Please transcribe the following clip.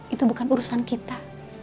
itu bukan urusan kita